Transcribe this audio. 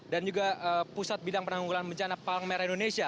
dan juga pusat bidang penanggungulan bencana pangmera indonesia